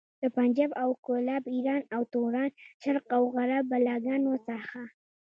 د پنجاب او کولاب، ايران او توران، شرق او غرب بلاګانو څخه.